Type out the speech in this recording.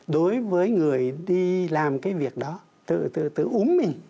đối với người đi làm cái việc đó tự tự tự úm mình